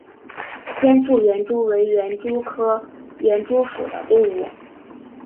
尖腹园蛛为园蛛科园蛛属的动物。